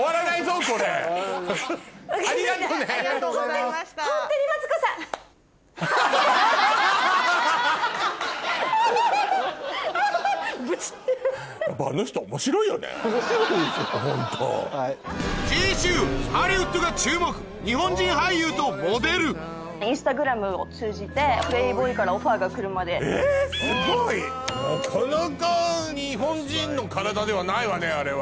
なかなか日本人の体ではないわねあれは。